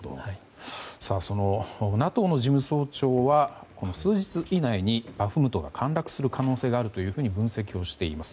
そのＮＡＴＯの事務総長は数日以内にバフムトが陥落する可能性があると分析しています。